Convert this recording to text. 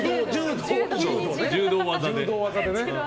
柔道技でね。